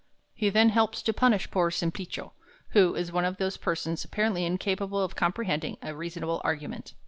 He then helps to punish poor Simplicio, who is one of those persons apparently incapable of comprehending a reasonable argument.